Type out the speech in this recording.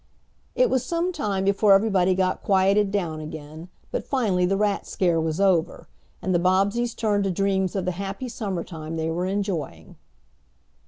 It was some time before everybody got quieted down again, but finally the rat scare was over and the Bobbseys turned to dreams of the happy summer time they were enjoying.